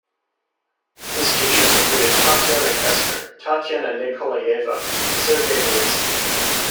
His teachers included Tatiana Kestner, Tatiana Nikolayeva and Sergei Dorensky.